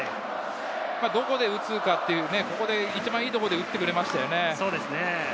どこで打つか、一番いいところで打ってくれましたね。